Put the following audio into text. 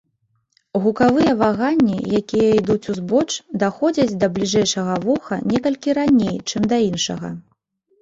Гукавыя ваганні, якія ідуць узбоч, даходзяць да бліжэйшага вуха некалькі раней, чым да іншага.